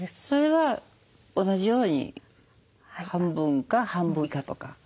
それは同じように半分か半分以下とか？